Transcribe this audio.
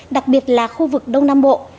đặc biệt là khu vực đông nam bộ